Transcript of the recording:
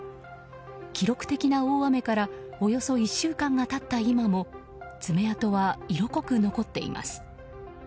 記録的な大雨からおよそ１週間が経った今も爪痕は色濃く残っています。